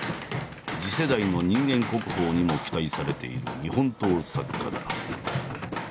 次世代の人間国宝にも期待されている日本刀作家だ。